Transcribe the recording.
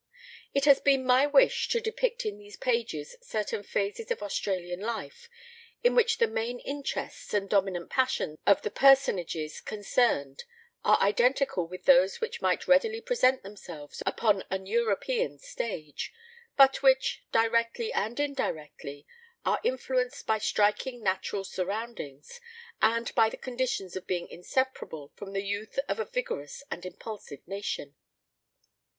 It has been my wish to depict in these pages certain phases of Australian life, in which the main interests and dominant passions of the personages concerned are identical with those which might readily present themselves upon an European stage, but which, directly and indirectly, are in fluenced by striking natural surroundings, and by the con ditions of being inseparable from the youth of a vigorous and impulsive nation.